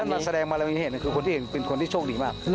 ท่านมาแสดงมาลังงี้เห็นคือคนที่เห็นเป็นคนที่โชคดีมาก